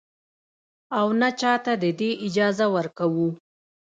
او نـه چـاتـه د دې اجـازه ورکـو.